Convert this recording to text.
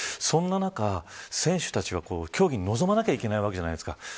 そんな中、選手たちは競技に臨まなければいけないわけじゃないですか。